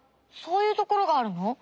そういうところがあるの？